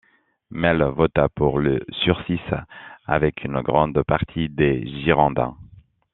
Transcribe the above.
Mailhe vota pour le sursis avec une grande partie des Girondins.